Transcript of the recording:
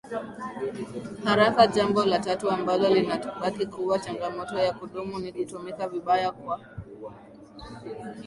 harakaJambo la tatu ambalo linabaki kuwa changamoto ya kudumu ni kutumika vibaya kwa